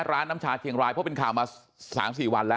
ร้านน้ำชาเชียงรายเพราะเป็นข่าวมาสามสี่วันละ